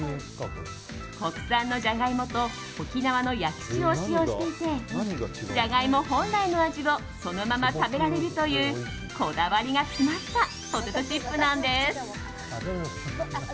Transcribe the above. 国産のジャガイモと沖縄の焼き塩を使用していてジャガイモ本来の味をそのまま食べられるというこだわりが詰まったポテトチップなんです。